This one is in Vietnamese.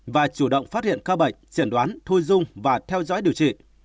và chủ động phát hiện ca bệnh chẩn đoán thu dung và theo dõi điều trị